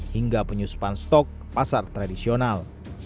hingga penyusupan stok pasar tradisional